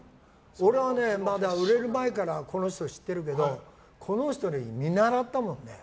俺がまだ売れる前からこの人を知ってるけどこの人を見習ったもんね。